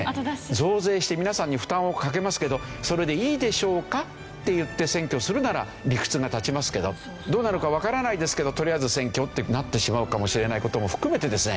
増税して皆さんに負担をかけますけどそれでいいでしょうか？って言って選挙するなら理屈が立ちますけどどうなるかわからないですけどとりあえず選挙ってなってしまうかもしれない事も含めてですね